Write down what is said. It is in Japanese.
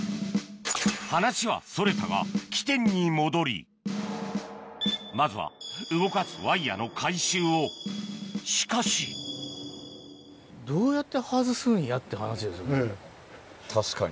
話はそれたが起点に戻りまずは動かすワイヤの回収をしかし確かに。